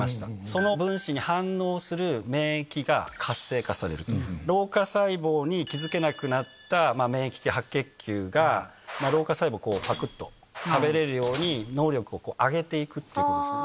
その分子に反応する免疫が活性化されると、老化細胞に気付けなくなった免疫系白血球が老化細胞をぱくっと食べれるように、能力を上げていくってことですね。